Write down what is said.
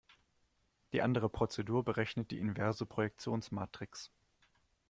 Die andere Prozedur berechnet die inverse Projektionsmatrix.